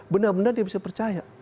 benar benar dia bisa percaya